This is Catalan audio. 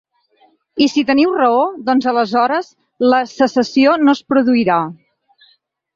I si teniu raó, doncs aleshores la secessió no es produirà.